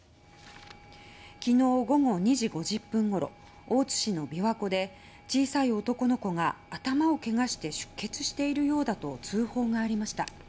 昨日午後２時５０分ごろ大津市の琵琶湖で小さい男の子が頭をけがして出血しているようだと通報がありました。